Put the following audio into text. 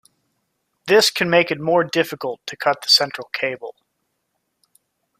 This can make it more difficult to cut the central cable.